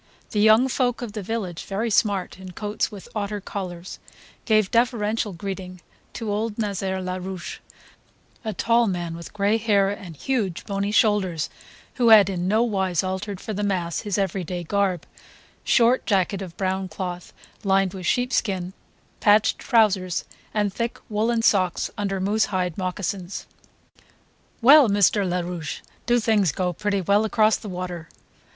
The young folk of the village, very smart in coats with otter collars, gave deferential greeting to old Nazaire Larouche; a tall man with gray hair and huge bony shoulders who had in no wise altered for the mass his everyday garb: short jacket of brown cloth lined with sheepskin, patched trousers, and thick woollen socks under moose hide moccasins. "Well, Mr. Larouche, do things go pretty well across the water?"